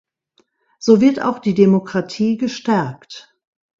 So wird auch die Demokratie gestärkt.